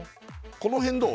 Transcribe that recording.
この辺どう？